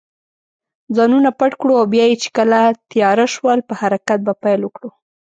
ځانونه پټ کړو او بیا چې کله تېاره شول، په حرکت به پیل وکړو.